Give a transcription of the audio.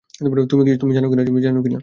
তুমি জানো কি-না?